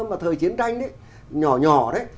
mà thời chiến tranh nhỏ nhỏ đấy